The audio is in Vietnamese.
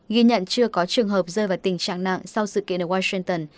ghi nhận chưa có trường hợp rơi vào tình trạng nặng sau sự kiện ở wilton